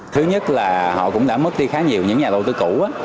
thứ nhất là họ cũng đã mất đi khá nhiều những nhà đầu tư cũ